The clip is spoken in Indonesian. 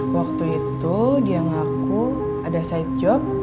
waktu itu dia ngaku ada side job